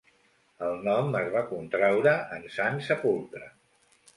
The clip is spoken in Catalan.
El nom es va contraure en Sant Sepulcre.